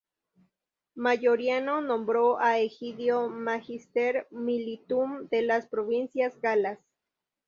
Mayoriano nombró a Egidio "magister militum" de las provincias galas.